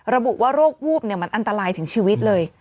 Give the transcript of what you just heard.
ระบุว่าโรควูบมันอันตรายถึงชีวิตเลย